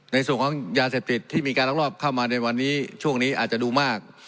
ในส่วนของยาเสพติดที่มีการลักลอบเข้ามาในวันนี้ช่วงนี้อาจจะดูมาก